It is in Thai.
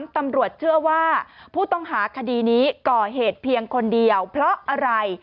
ตำรวจเชื่อว่าผู้ต้องหาคดีนี้ก่อเหตุเพียงคนเดียวเพราะอะไร